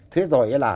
thế rồi ấy là